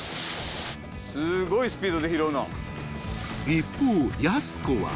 ［一方やす子は］